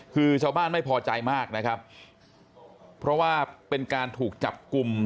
คือชาวบ้านไม่พอใจมากนะครับเพราะว่าเป็นการถูกจับกลุ่ม